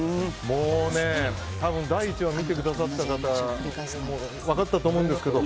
もうね、多分第１話を見てくださった方分かったと思うんですけど